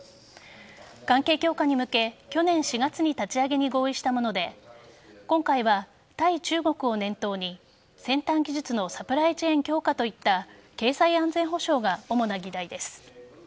関係強化に向け去年４月に立ち上げに合意したもので今回は対中国を念頭に先端技術のサプライチェーン強化といった経済安全保障が主な議題です。